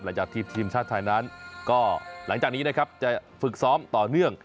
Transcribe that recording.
จากทีมชาติไทยนั้นก็หลังจากนี้นะครับจะฝึกซ้อมต่อเนื่อง